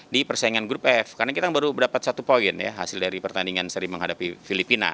di persaingan grup f karena kita baru mendapat satu poin ya hasil dari pertandingan sering menghadapi filipina